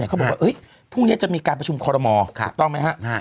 เขาบอกว่าพรุ่งนี้จะมีการประชุมคอรมอถูกต้องไหมฮะ